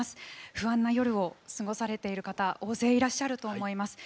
不安な夜を過ごされている方大勢いらっしゃると思います。